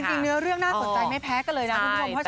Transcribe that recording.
จริงเนื้อเรื่องน่าสนใจไม่แพ้กันเลยนะคุณผู้ชม